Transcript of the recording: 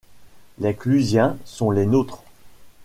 Les clusiens sont les nôtres.